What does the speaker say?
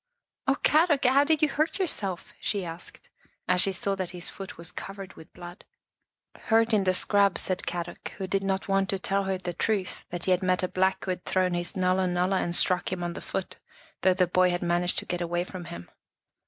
" Oh, Kadok, how did you hurt yourself?" she asked, as she saw that his foot was covered with blood. " Hurt in the scrub," said Kadok, who did not want to tell her the truth, that he had met a Black who had thrown his nulla nulla 1 and struck him on the foot, though the boy had managed to get away from him.